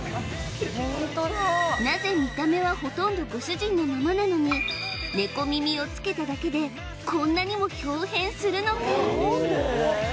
なぜ見た目はほとんどご主人のままなのにネコ耳をつけただけでこんなにも豹変するのか